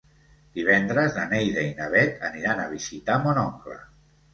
Divendres na Neida i na Bet aniran a visitar mon oncle.